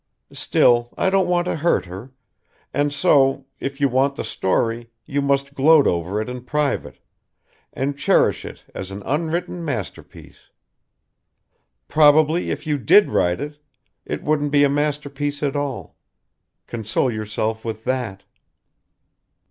Still, I don't want to hurt her, and so, if you want the story, you must gloat over it in private, and cherish it as an unwritten masterpiece. Probably if you did write it, it wouldn't be a masterpiece at all. Console yourself with that."